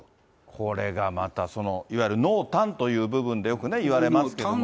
これがまた、そのいわゆる濃淡という部分でよくね言われますけれどもね。